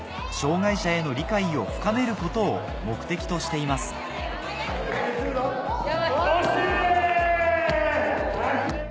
障がい者への理解を深めることを目的としています・惜しい！